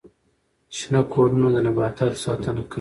شنه کورونه د نباتاتو ساتنه کوي